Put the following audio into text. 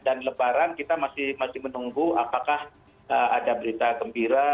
dan lebaran kita masih menunggu apakah ada berita gembira